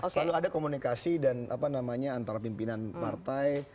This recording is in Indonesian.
selalu ada komunikasi dan apa namanya antara pimpinan partai